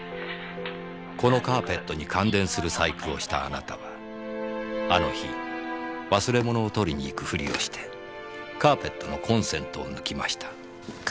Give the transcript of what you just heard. このカーペットに感電する細工をしたあなたはあの日忘れ物を取りに行くふりをしてカーペットのコンセントを抜きました。